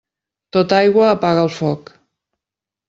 Tota aigua apaga el foc.